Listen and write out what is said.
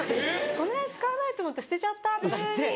「ごめん使わないと思って捨てちゃった」とか言って。